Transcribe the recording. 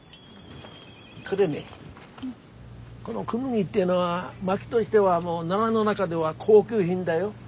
これねこのクヌギっていうのは薪どしてはもうナラの中では高級品だよ。